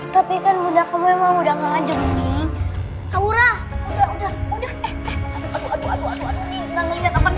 saya kan cuma kedinginan